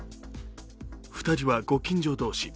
２人はご近所同士。